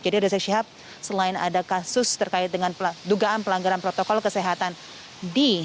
jadi rizik syihab selain ada kasus terkait dengan dugaan pelanggaran protokol kesehatan di